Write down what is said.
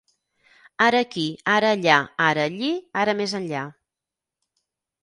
Ara aquí, ara allà, ara allí, ara més enllà.